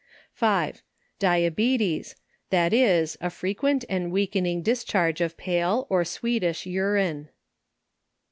5. Diabetes, that is, a frequent and weakening dis charge of pale, or sweetish mine.